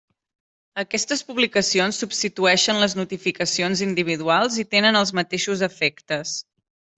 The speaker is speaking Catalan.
Aquestes publicacions substitueixen les notificacions individuals i tenen els mateixos efectes.